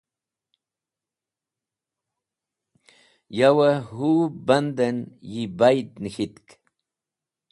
Yawẽ hũb bandẽn yi bayd nẽk̃hitk.